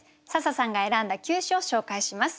笹さんが選んだ９首を紹介します。